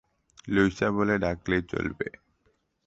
Luisa বলে ডাকলেই চলবে।